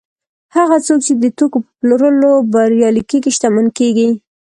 هغه څوک چې د توکو په پلورلو بریالي کېږي شتمن کېږي